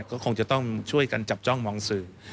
ก็คงจะต้องช่วยกันจับจ้องมองสื่อ